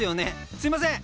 すいません！